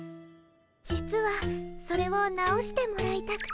実はそれを直してもらいたくて。